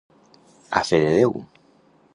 A fe de Déu.